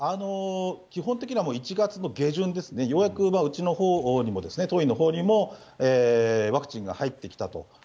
基本的には１月の下旬ですね、ようやくうちのほうにも、当院にもワクチンが入ってきたと。